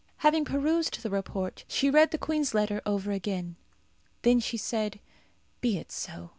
Having perused the report, she read the queen's letter over again. Then she said, "Be it so."